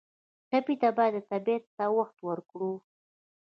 ټپي ته باید طبیعت ته وخت ورکړو.